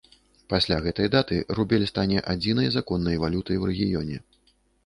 Пасля гэтай даты рубель стане адзінай законнай валютай у рэгіёне.